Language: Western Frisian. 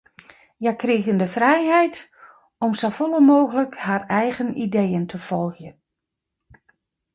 Hja krigen de frijheid om safolle mooglik har eigen ideeën te folgjen.